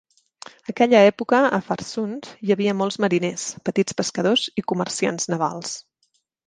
Aquella època a Farsund hi havia molts mariners, petits pescadors i comerciants navals.